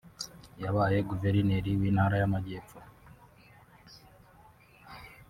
yabaye Guverineri w’Intara y’Amajyepfo